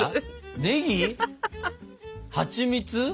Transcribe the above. ねぎ？はちみつ？